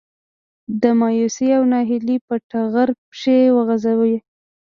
د مايوسي او ناهيلي په ټغر پښې وغځوي.